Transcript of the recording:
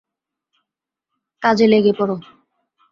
কাজে লেগে পড়ো।